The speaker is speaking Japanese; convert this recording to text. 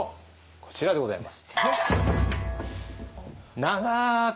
こちらでございます。